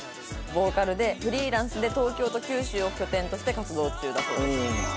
ボーカルでフリーランスで東京と九州を拠点として活動中だそうです。